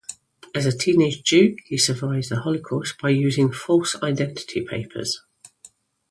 As a teenage Jew, he survived the Holocaust by using false identity papers.